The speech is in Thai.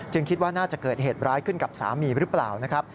คิดว่าน่าจะเกิดเหตุร้ายขึ้นกับสามีหรือเปล่านะครับ